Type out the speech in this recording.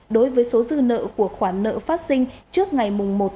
đối với số dư nợ của khoản nợ phát sinh trước ngày một tám hai nghìn hai mươi một